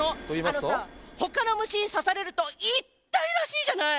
あのさほかの虫に刺されると痛いらしいじゃない？